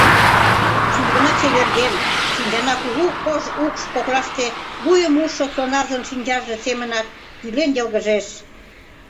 Шӱргына чеверген, шинчана кугу кож укш коклаште луйым ужшо сонарзын шинчаже семынак йӱлен йылгыжеш.